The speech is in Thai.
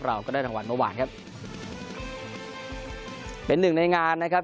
เราก็ได้รางวัลเมื่อวานครับเป็นหนึ่งในงานนะครับ